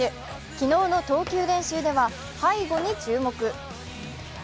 昨日の投球練習では背後に注目。